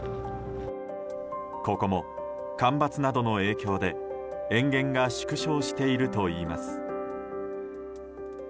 ここも干ばつなどの影響で塩原が縮小しているといいます。